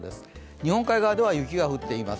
日本海側では雪が降っています。